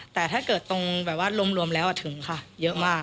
แต่ถ้าเกิดตรงแบบว่ารวมแล้วถึงค่ะเยอะมาก